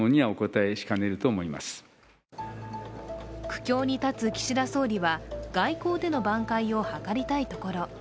苦境に立つ岸田総理は外交での挽回を図りたいところ。